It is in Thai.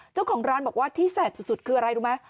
เจ้าของร้านบอกว่าที่แสบสุดคืออะไรรู้ไหม